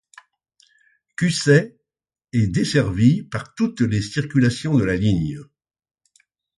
Cusset est desservie par toutes les circulations de la ligne.